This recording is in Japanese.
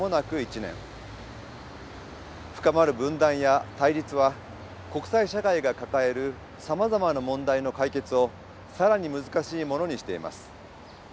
深まる分断や対立は国際社会が抱えるさまざまな問題の解決を更に難しいものにしています。